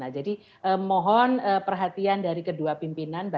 jadi mohon perhatian dari kedua pimpinan